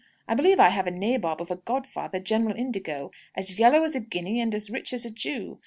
I believe I have a nabob of a godfather, General Indigo, as yellow as a guinea and as rich as a Jew.